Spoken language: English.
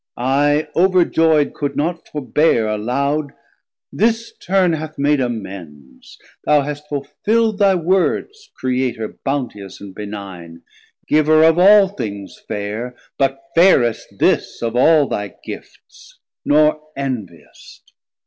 I overjoyd could not forbear aloud. 490 This turn hath made amends; thou hast fulfill'd Thy words, Creator bounteous and benigne, Giver of all things faire, but fairest this Of all thy gifts, nor enviest.